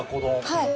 はい。